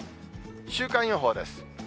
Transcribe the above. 週間予報です。